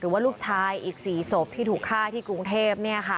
ว่าลูกชายอีก๔ศพที่ถูกฆ่าที่กรุงเทพ